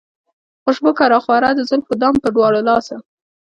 خوشبو که راخوره د زلفو دام پۀ دواړه لاسه